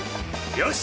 よし！